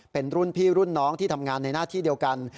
เป็นรุ่นพี่รุ่นน้องที่ทำงานในหน้าที่เดียวกัน